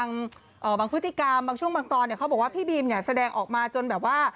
บางพฤติกรรมบางช่วงบางตอนเนี่ยเขาบอกว่าพี่บีมเนี่ยแสดงออกมาจนแบบว่า